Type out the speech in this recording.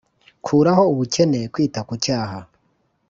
kuraho ubukene, kwita ku cyaha,